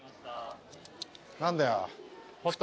何だよ。